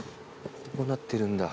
こうなってるんだ。